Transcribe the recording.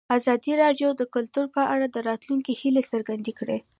ازادي راډیو د کلتور په اړه د راتلونکي هیلې څرګندې کړې.